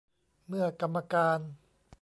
เมื่อกรรมการ